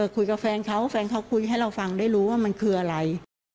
คุยกับแฟนเขาแฟนเขาคุยให้เราฟังได้รู้ว่ามันคืออะไร